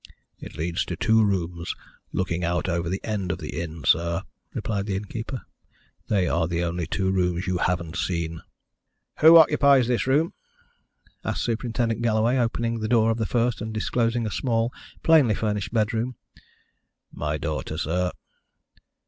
"It leads to two rooms looking out over the end of the inn, sir," replied the innkeeper. "They are the only two rooms you haven't seen." "Who occupies this room?" asked Superintendent Galloway, opening the door of the first, and disclosing a small, plainly furnished bedroom. "My daughter, sir."